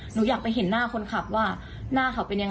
หนูอยากไปเห็นหน้าคนขับว่าหน้าเขาเป็นยังไง